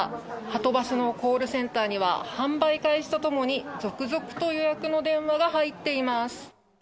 はとバスのコールセンターには販売開始とともに、続々と予約の電話が入っています。